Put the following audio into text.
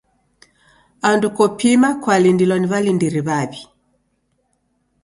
Andu kopima kwalindilwa ni w'alindiri w'aw'i.